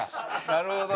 なるほど。